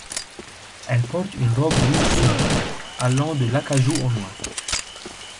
Elle porte une robe rouge sombre, allant de l'acajou au noir.